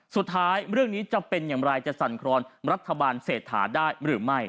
เรื่องนี้จะเป็นอย่างไรจะสั่นครอนรัฐบาลเศรษฐาได้หรือไม่